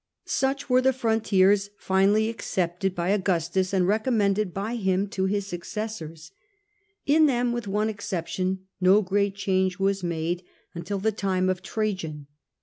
Such were the frontiers finally accepted by Augustus, and recommended by him to his successors. In them, with one exception, no great change was made until the time The Frofitiers and the Army. *z 07 of Trajan.